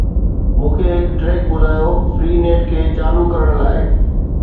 مون کي هڪ ٽريڪ ٻڌايو. FreeNet کي چالو ڪرڻ لاء